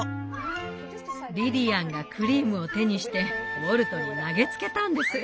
リリアンがクリームを手にしてウォルトに投げつけたんです。